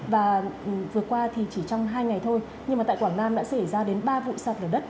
và vừa qua thì chỉ trong hai ngày thôi nhưng mà tại quảng nam đã xảy ra đến ba vụ sạt lở đất